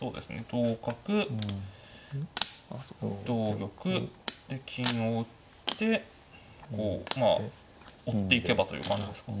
同角同玉で金を打って追っていけばという感じですか。